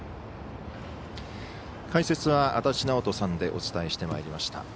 解説は足達尚人さんでお伝えしてまいりました。